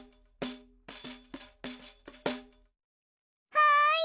はい！